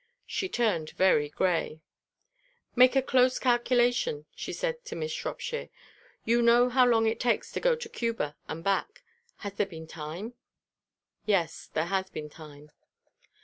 She turned very grey. "Make a close calculation," she said to Miss Shropshire. "You know how long it takes to go to Cuba and back. Has there been time?" "Yes, there has been time."